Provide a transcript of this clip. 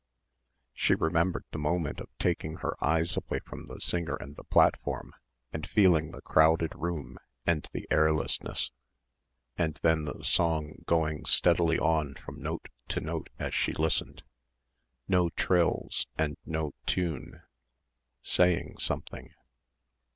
She remembered the moment of taking her eyes away from the singer and the platform, and feeling the crowded room and the airlessness, and then the song going steadily on from note to note as she listened ... no trills and no tune ... saying something.